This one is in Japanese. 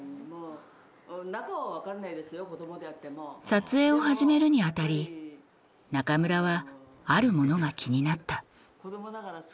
撮影を始めるにあたり中村はあるものが気になった。